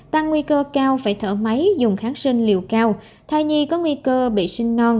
tăng nguy cơ cao phải thở máy dùng kháng sinh liều cao thai nhi có nguy cơ bị sinh non